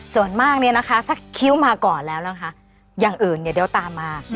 ส่วนมากเนี่ยนะคะถ้าคิ้วมาก่อนแล้วนะคะอย่างอื่นเนี่ยเดี๋ยวตามมา